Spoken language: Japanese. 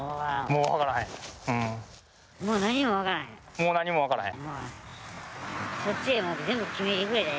もう何も分からへん？